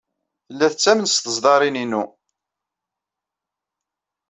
Tella tettamen s teẓdarin-inu.